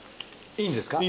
いいんですか？